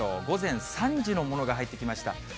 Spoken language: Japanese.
午前３時のものが入ってきました。